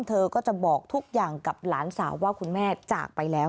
เธอก็จะบอกทุกอย่างกับหลานสาวว่าคุณแม่จากไปแล้ว